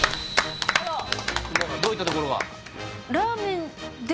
どういったところが？